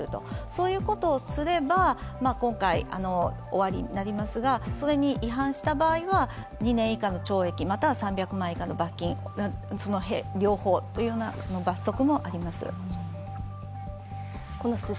そういうことをすれば今回、終わりになりますが、それに違反した場合は２年以下の懲役または３００万以下の罰金、その両方という罰則もあります。